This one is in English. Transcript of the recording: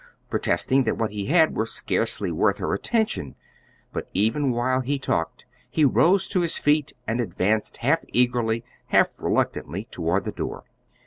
protesting that what he had were scarcely worth her attention; but even while he talked he rose to his feet and advanced half eagerly, half reluctantly, toward the door.